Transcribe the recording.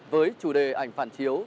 với chủ đề ảnh phản chiếu